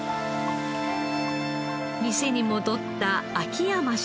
店に戻った秋山シェフ。